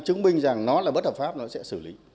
chúng mình rằng nó là bất hợp pháp nó sẽ xử lý